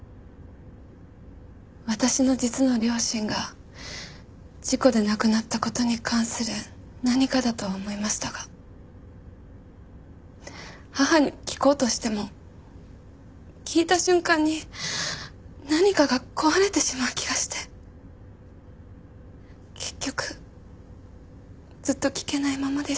私の実の両親が事故で亡くなった事に関する何かだとは思いましたが母に聞こうとしても聞いた瞬間に何かが壊れてしまう気がして結局ずっと聞けないままでした。